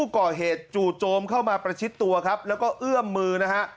ก่อเหตุจู่โจมเข้ามาประชิดตัวครับแล้วก็เอื้อมมือนะฮะ